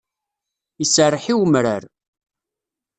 Iserreḥ i umrar.